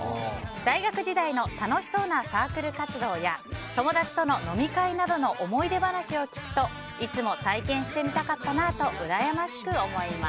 大学時代の楽しそうなサークル活動や友達との飲み会などの思い出話を聞くといつも体験してみたかったなと羨ましく思います。